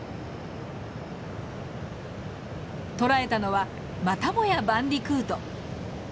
捕らえたのはまたもやバンディクート。